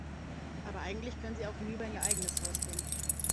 Aber eigentlich könnte sie auch hinüber in ihr eigenes Haus gehen.